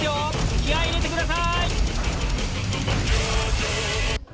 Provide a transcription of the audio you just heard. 気合入れてください。